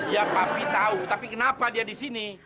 ya papi tahu tapi kenapa dia disini